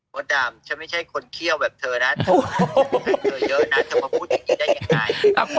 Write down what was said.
ดำฉันไม่ใช่คนเขี้ยวแบบเธอนะเธอเยอะนะจะมาพูดอย่างนี้ได้ยังไง